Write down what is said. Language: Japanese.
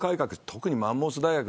特にマンモス大学